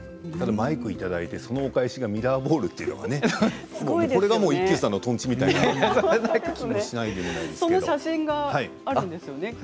マイクをいただいてそのお返しがミラーボールというのがねこれが一休さんのとんちその写真があるんですよね。